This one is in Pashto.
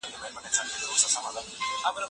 ایا ستا مقاله تر اوسه په کوم بل ځای کي خپره سوي؟